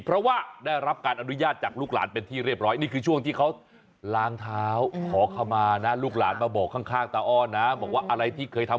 เพราะว่าได้รับการอนุญาตจากลูกหลานเป็นที่เรียบร้อย